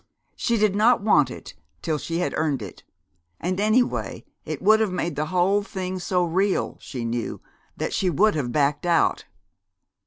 She did not want it till she had earned it, and, anyway, it would have made the whole thing so real, she knew, that she would have backed out.